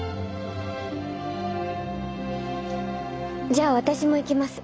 じゃあ私も行きます。